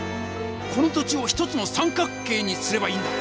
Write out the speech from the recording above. この土地を１つの三角形にすればいいんだ！